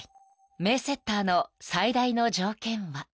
［名セッターの最大の条件は？］